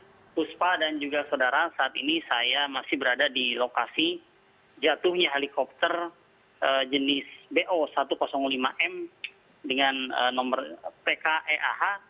puspa dan juga saudara saat ini saya masih berada di lokasi jatuhnya helikopter jenis bo satu ratus lima m dengan nomor pke ah